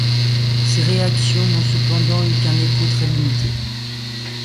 Ces réactions n'ont cependant eu qu'un écho très limité.